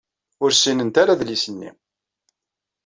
Ur ssinent ara adlis-nni.